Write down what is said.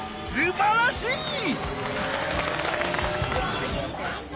すばらしい！